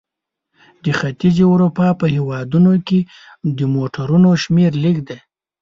د ختیځې اروپا په هېوادونو کې د موټرونو شمیر لږ دی.